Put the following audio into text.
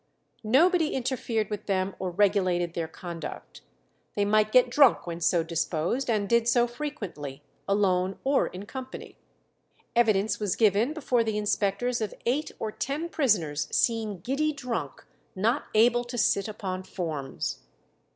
Nobody interfered with them or regulated their conduct. They might get drunk when so disposed, and did so frequently, alone or in company. Evidence was given before the inspectors of eight or ten prisoners seen "giddy drunk, not able to sit upon forms."